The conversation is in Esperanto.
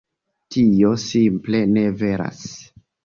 Tio simple ne veras.